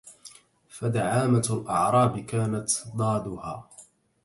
فدعامة الأعراب كانـت ضادهـا